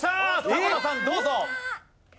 迫田さんどうぞ。